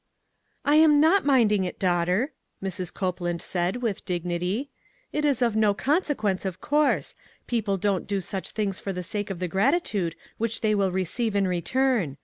" I am not minding it, daughter," Mrs. Copeland said, with dignity. " It is of no consequence, of course ; people don't do such things for the sake of the gratitude which l6O ONE COMMONPLACE DAY. they will receive in return.